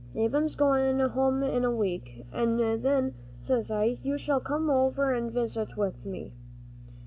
"Ab'm's goin' home in a week, an' then, says I, you shall come over an' visit with me."